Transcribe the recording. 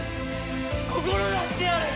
心だってある！